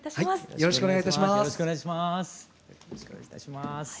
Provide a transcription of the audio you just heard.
よろしくお願いします。